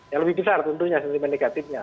yang lebih besar tentunya sentimen negatifnya